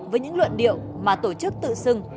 với những luận điệu mà tổ chức tự xưng